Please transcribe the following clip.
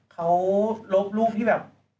เขาลบรูปที่แบบ